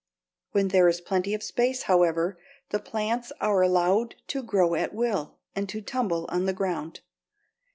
When there is plenty of space, however, the plants are allowed to grow at will and to tumble on the ground.